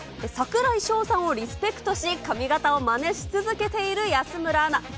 櫻井翔さんをリスペクトし、髪形をまねし続けている安村アナ。